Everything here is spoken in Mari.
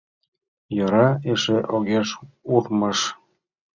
Йӧра эше, огеш урмыж.